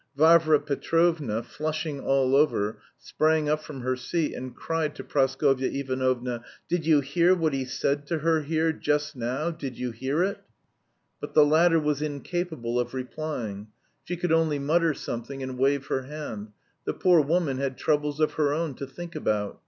Varvara Petrovna, flushing all over, sprang up from her seat and cried to Praskovya Ivanovna: "Did you hear what he said to her here just now, did you hear it?" But the latter was incapable of replying. She could only mutter something and wave her hand. The poor woman had troubles of her own to think about.